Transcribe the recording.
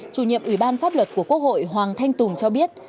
chủ nhiệm ủy ban pháp luật của quốc hội hoàng thanh tùng cho biết